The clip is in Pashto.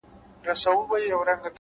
علم د فکرونو نړۍ روښانه کوي